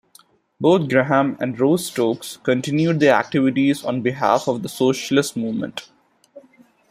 Both Graham and Rose Stokes continued their activities on behalf of the Socialist movement.